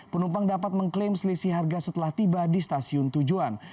penumpang dapat mengklaim selisih harga setelah tiba di stasiun tujuan